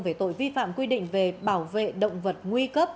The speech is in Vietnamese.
về tội vi phạm quy định về bảo vệ động vật nguy cấp